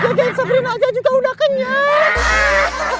jagain sabrina aja juga udah kenyam